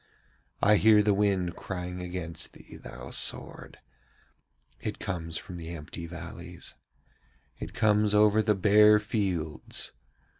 I hear the wind crying against thee, thou sword! It comes from the empty valleys. It comes over the bare fields.